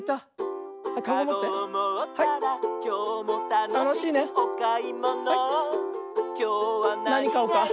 「かごをもったらきょうもたのしくおかいもの」「きょうはなにがやすいかしら」